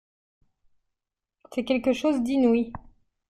C'est quelque chose d'inouï.